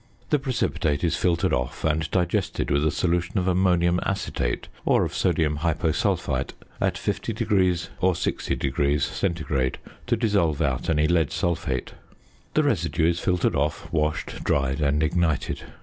The precipitate is filtered off, and digested with a solution of ammonium acetate or of sodium hyposulphite at 50° or 60° C. to dissolve out any lead sulphate. The residue is filtered off, washed, dried, and ignited.